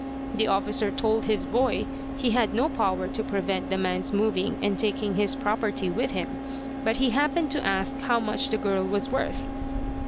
"The officer told his boy he had no power to prevent the man's moving and taking his property with him; but he happened to ask how much the girl was worth.